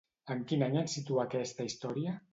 En quin any ens situa aquesta història?